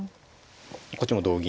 こっちも同銀。